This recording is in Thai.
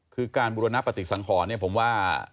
คือการบูรณะปฏิสังครผมว่า